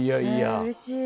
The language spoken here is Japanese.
うれしい。